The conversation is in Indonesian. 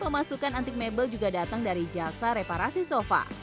pemasukan antik mebel juga datang dari jasa reparasi sofa